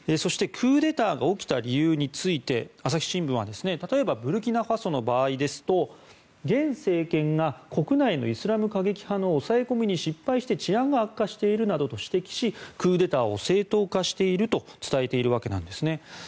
クーデターが起きた理由について朝日新聞は例えばブルキナファソの場合では現政権が国内のイスラム過激派の抑え込みに失敗して治安が悪化しているなどと指摘しクーデターを正当化していると伝えているわけなんですね。